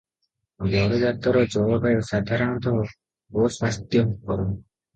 ଗଡ଼ଜାତର ଜଳବାୟୁ ସାଧାରଣତଃ ଅସ୍ୱାସ୍ଥ୍ୟକର ।